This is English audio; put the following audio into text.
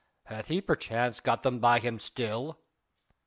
"Hath he perchance got them by him still?"